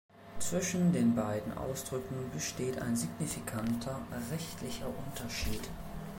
Zwischen den beiden Ausdrücken besteht ein signifikanter rechtlicher Unterschied.